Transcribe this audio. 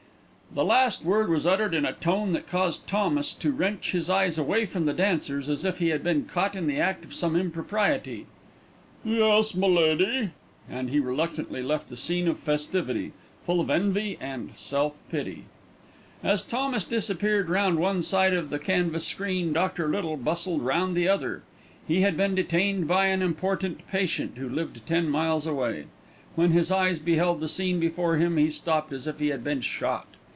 The last word was uttered in a tone that caused Thomas to wrench his eyes away from the dancers as if he had been caught in the act of some impropriety. "Yes, m'lady," and he reluctantly left the scene of festivity, full of envy and self pity. As Thomas disappeared round one side of the canvas screen, Dr. Little bustled round the other. He had been detained by an important patient who lived ten miles away. When his eyes beheld the scene before him, he stopped as if he had been shot.